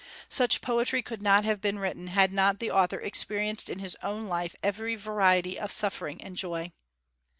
Such poetry could not have been written, had not the author experienced in his own life every variety of suffering and joy.